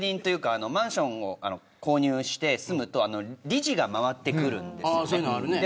管理人というかマンション購入して住むと理事が回ってくるんです。